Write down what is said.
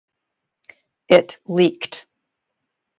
It leaked.